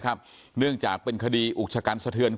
เพราะไม่เคยถามลูกสาวนะว่าไปทำธุรกิจแบบไหนอะไรยังไง